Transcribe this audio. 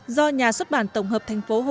do nhà xuất bản tổng hợp